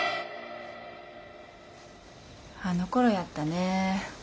あのころやったね。